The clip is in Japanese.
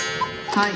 はい。